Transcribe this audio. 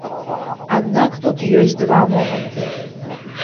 Аднак тут ёсць два моманты.